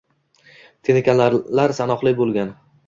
Telekanallar sanoqli bo`lgan